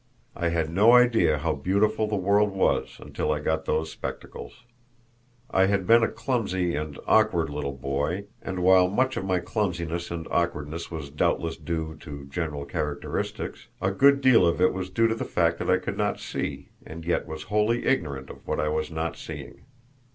I had no idea how beautiful the world was until I got those spectacles. I had been a clumsy and awkward little boy, and while much of my clumsiness and awkwardness was doubtless due to general characteristics, a good deal of it was due to the fact that I could not see and yet was wholly ignorant that I was not seeing.